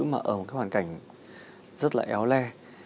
mà ở một hoàn cảnh rất là éo le